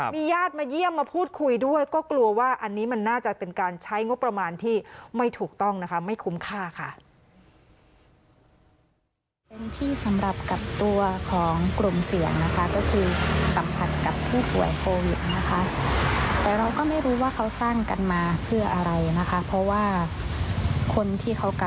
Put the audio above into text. มีญาติมาเยี่ยมมาพูดคุยด้วยก็กลัวว่าอันนี้มันน่าจะเป็นการใช้งบประมาณที่ไม่ถูกต้องนะคะไม่คุ้มค่าค่ะ